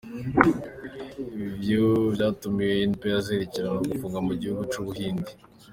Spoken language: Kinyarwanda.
Ivyo vyatumye impair zerekeye ugufunga mu gihugu c’Ubuhindi.